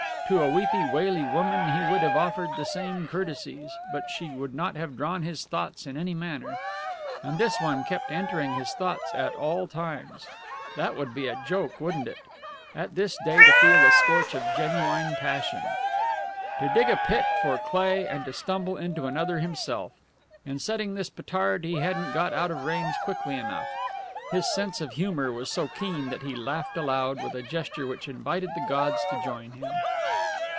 To a weepy waily woman he would have offered the same courtesies, but she would not have drawn his thoughts in any manner. And this one kept entering his thoughts at all times. That would be a joke, wouldn't it? At this day to feel the scorch of genuine passion! To dig a pit for Cleigh and to stumble into another himself! In setting this petard he hadn't got out of range quickly enough. His sense of humour was so keen that he laughed aloud, with a gesture which invited the gods to join him.